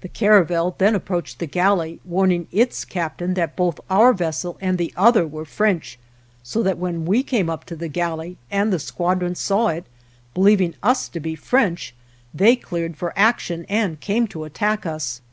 The caravel then approached the galley warning its captain that both our vessel and the other were French, so that when we came up to the galley and the squadron saw it, believing us to be French, they cleared for action and came to attack us.